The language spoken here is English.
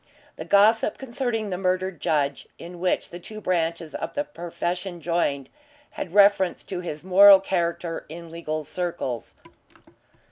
The gossip concerning the murdered judge in which the two branches of the profession joined had reference to his moral character in legal circles.